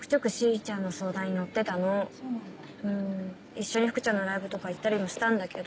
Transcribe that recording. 一緒に福ちゃんのライブとか行ったりもしたんだけど。